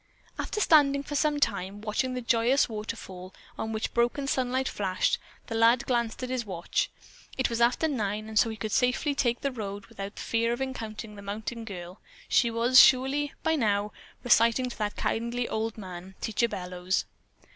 After standing for some time, watching the joyous waterfall on which broken sunlight flashed, the lad glanced at his watch. It was after nine and so he could safely take to the road without fear of encountering the mountain girl. She was surely, by now, reciting to that kindly old man, Teacher Bellows.